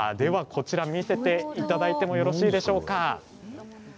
見せていただいてもよろしいでしょうか。